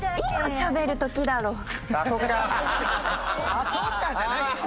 「あっそっか！」じゃないよ。